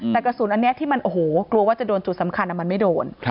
แต่กระสุนอันนี้ที่มันโอ้โหกลัวว่าจะโดนจุดสำคัญมันไม่โดน